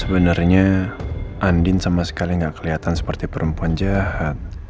sebenernya andin sama sekali gak keliatan seperti perempuan jahat